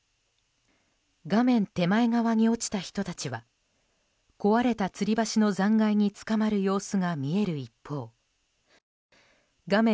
画面手前側に落ちた人たちは壊れたつり橋の残骸につかまる様子が見える一方画面